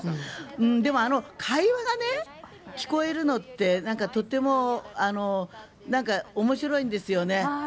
でも、あの会話が聞こえるのってとっても面白いんですよね。